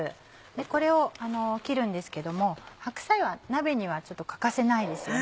これを切るんですけども白菜は鍋には欠かせないですよね。